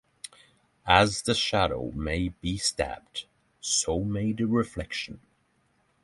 As the shadow may be stabbed, so may the reflection.